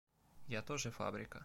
Я тоже фабрика.